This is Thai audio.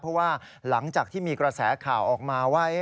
เพราะว่าหลังจากที่มีกระแสข่าวออกมาว่า